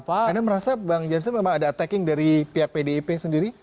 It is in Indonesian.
anda merasa bang jansen memang ada attacking dari pihak pdip sendiri